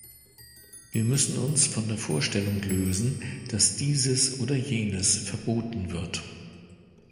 Wir müssen uns von der Vorstellung lösen, dass dieses oder jenes verboten wird.